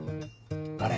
あれ。